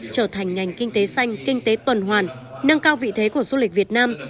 trở thành ngành kinh tế xanh kinh tế tuần hoàn nâng cao vị thế của du lịch việt nam